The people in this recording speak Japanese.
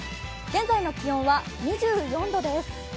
現在の気温は２４度です。